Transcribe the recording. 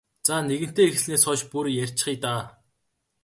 За нэгэнтээ эхэлснээс хойш бүр ярьчихъя даа.